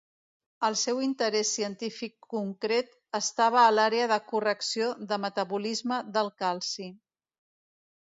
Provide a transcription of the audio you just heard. El seu interès científic concret estava a l'àrea de correcció de metabolisme del calci.